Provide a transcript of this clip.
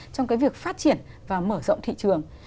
trong cái việc phát triển và mở rộng thị trường